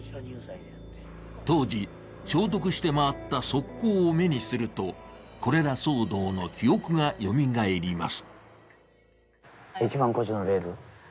当時、消毒して回った側溝を目にするとコレラ騒動の記憶がよみがえります。